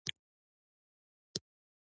کوږ زړه رڼا نه لري